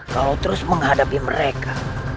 kalau terus menghadapi mereka